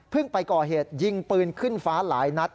ไปก่อเหตุยิงปืนขึ้นฟ้าหลายนัด